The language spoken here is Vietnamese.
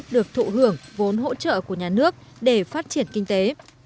được thụ hưởng vốn hỗ trợ của nhà nước để phát triển kinh tế